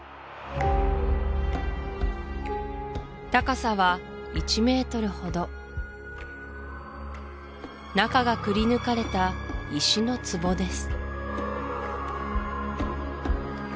高さは１ｍほど中がくりぬかれた石の壺です